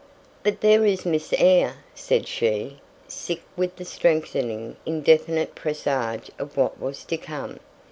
"But there is Miss Eyre," said she, sick with the strengthening indefinite presage of what was to come.